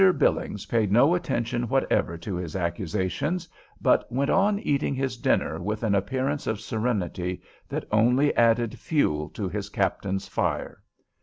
Billings paid no attention whatever to his accusations, but went on eating his dinner with an appearance of serenity that only added fuel to his captain's fire.